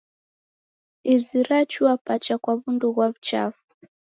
Izi rachua pacha kwa w'undu ghwa w'uchafu.